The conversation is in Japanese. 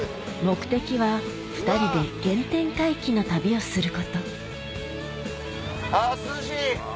目的は２人で原点回帰の旅をすることあ涼しい！